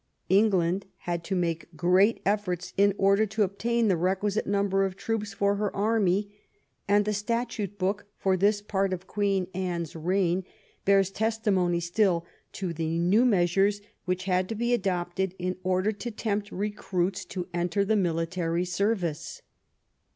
England had to make great efforts in order to obtain the requisite number of troops for her army, and the statute book for this part of Queen Anne^s reign bears testimony still to the new measures which had to be adopted in order to tempt recruits to enter the military service.